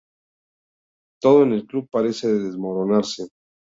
Todo en el club parece desmoronarse.